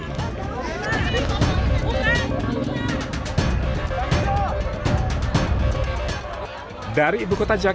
dari ibu kota jakarta seorang warga diduga pelaku pencurian kendaraan bermotor rabu dini hari